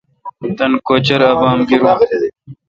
تان کوچر ابام گیرو۔